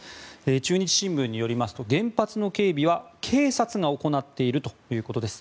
中日新聞によりますと原発の警備は警察が行っているということです。